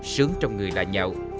sướng trong người là nhậu